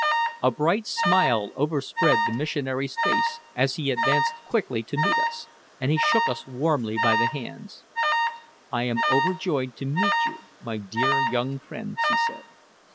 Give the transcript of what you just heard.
A bright smile overspread the missionary's face as he advanced quickly to meet us, and he shook us warmly by the hands. "I am overjoyed to meet you, my dear young friends," he said.